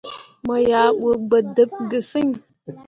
Mo yah ɓu gbǝ dǝɓ ge sǝŋ.